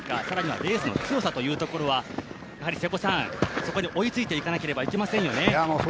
更にはレースの強さというのにそこに追いついていかなければいけませんね。